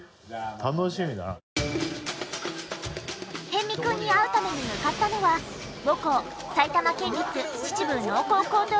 逸見くんに会うために向かったのは母校埼玉県立秩父農工高等